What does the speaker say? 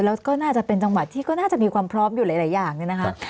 แล้วก็น่าจะเป็นจังหวัดที่ก็น่าจะมีความพร้อมอยู่หลายอย่างเนี่ยนะคะ